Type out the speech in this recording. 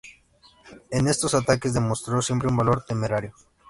En estos ataques, demostró siempre un valor temerario.